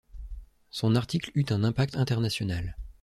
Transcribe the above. Son article eut un impact international.